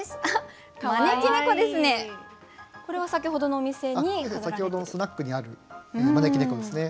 先ほどのスナックにある招き猫ですね。